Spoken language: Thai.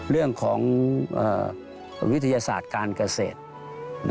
เรื่องของวิทยาศาสตร์การเกษตร